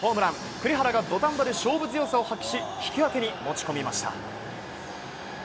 栗原が土壇場で勝負強さを発揮し引き分けに持ち込みました。